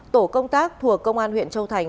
tổ công tác thuộc công an huyện châu thành